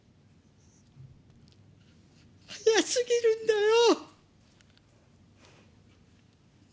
早すぎるんだよ。